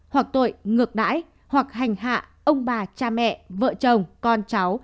hoặc tội ngược đãi hoặc hành hạ ông bà cha mẹ vợ chồng con cháu